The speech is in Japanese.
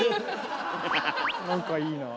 なんかいいなあ。